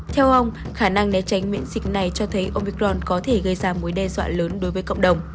theo ông khả năng né tránh miễn dịch này cho thấy opicron có thể gây ra mối đe dọa lớn đối với cộng đồng